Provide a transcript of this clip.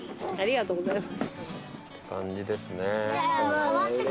ありがとうございます。